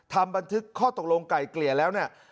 ทำบันทึกข้อตกลงไก่เกลี่ยแล้วเนี่ย